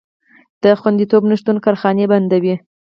د خوندیتوب نشتون کارخانې بندوي.